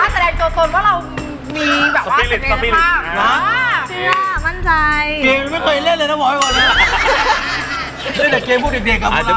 พี่ฟองอีก๑ดวงดาว